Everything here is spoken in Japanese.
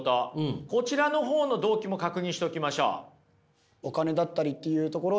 こちらのほうの動機も確認しておきましょう。